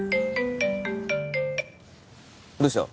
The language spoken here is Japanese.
どうした？